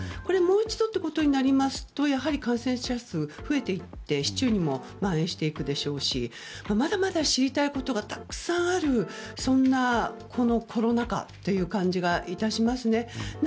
もう一度ということになると感染者が増えていって、市中にも蔓延していくでしょうしまだまだ知りたいことがたくさんあるそんなコロナ禍という感じが致しますね。